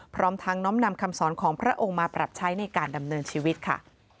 พร้อมทั้งน้อมนำคำสอนของพระองค์มาปรับใช้ในการดำเนินชีวิตค่ะ